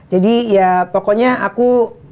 jadi ya pokoknya aku